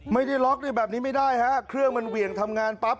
ไม่ได้ล็อกแบบนี้ไม่ได้ฮะเครื่องมันเหวี่ยงทำงานปั๊บ